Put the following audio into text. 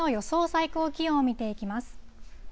最高気温を見ていきます。